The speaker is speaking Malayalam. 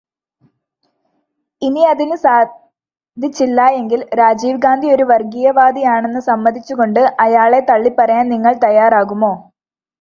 ഇനി അതിന് സാധിച്ചില്ലായെങ്കിൽ, രാജീവ് ഗാന്ധി ഒരു വർഗീയവാദിയാണെന്ന് സമ്മതിച്ചു കൊണ്ട്, അയാളെ തള്ളിപറയാൻ നിങ്ങൾ തയ്യാറാകുമോ?